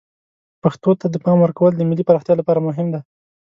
پښتو ته د پام ورکول د ملی پراختیا لپاره مهم دی.